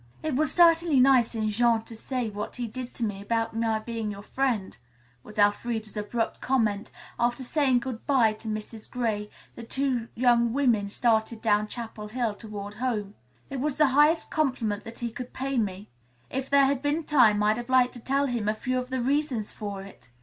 "It was certainly nice in Jean to say what he did to me about my being your friend," was Elfreda's abrupt comment when, after saying good bye to Mrs. Gray, the two young women started down Chapel Hill toward home. "It was the highest compliment that he could pay me. If there had been time I'd have liked to tell him a few of the reasons for it.